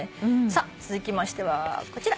さあ続きましてはこちら。